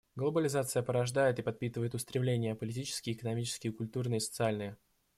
Глобализация порождает и подпитывает устремления — политические, экономические, культурные и социальные.